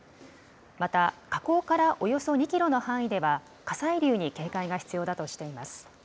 また、火口からおよそ２キロの範囲では、火砕流に警戒が必要だとしています。